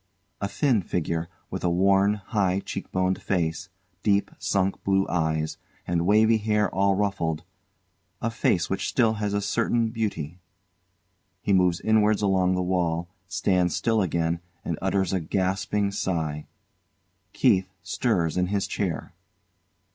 A thin figure, with a worn, high cheek boned face, deep sunk blue eyes and wavy hair all ruffled a face which still has a certain beauty. He moves inwards along the wall, stands still again and utters a gasping sigh. KEITH stirs in his chair.